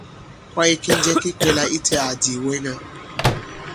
Kwaye ki njɛ ki kwɛ̄lā itē àdì ìwɛŋa?